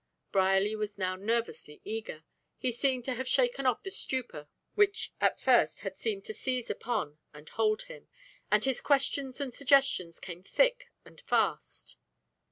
Brierly was now nervously eager. He seemed to have shaken off the stupor which at first had seemed to seize upon and hold him, and his questions and suggestions came thick and fast.